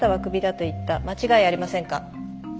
間違いありませんか？